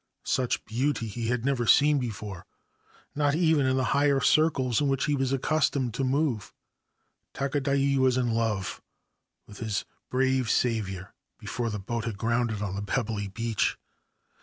Such beauty he had never seen before — not even in the higher circles in which he was accustomed to move. Takadai was in love with his brave saviour before the boat had grounded on the pebbly beach.